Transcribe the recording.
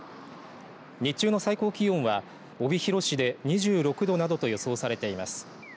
日中の最高気温は帯広市で２６度などと予想されています。